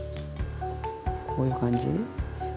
こういう感じ。